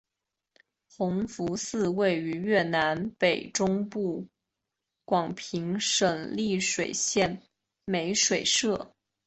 弘福寺位于越南北中部广平省丽水县美水社。